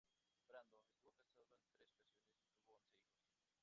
Brando estuvo casado en tres ocasiones y tuvo once hijos.